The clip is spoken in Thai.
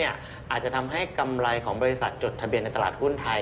อาจจะทำให้กำไรของบริษัทจดทะเบียนในตลาดหุ้นไทย